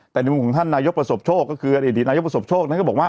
แต่ในมุมของท่านนายกประสบโชคก็คืออดีตนายกประสบโชคท่านก็บอกว่า